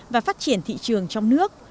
và phát triển thị trường trong nước